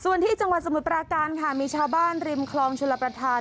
ส่วนที่จังหวัดสมุทรปราการค่ะมีชาวบ้านริมคลองชลประธาน